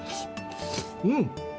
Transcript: うん！